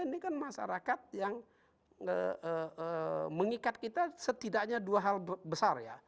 ini kan masyarakat yang mengikat kita setidaknya dua hal besar ya